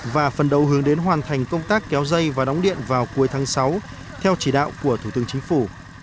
và phần đầu hướng đến hoàn thành công tác kéo dây và đóng điện vào cuối tháng sáu theo chỉ đạo của thủ tướng chính phủ